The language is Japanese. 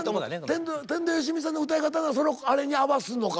天童よしみさんの歌い方のそのあれに合わすのか。